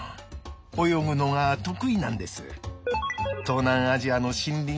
泳ぐのが得意なんです。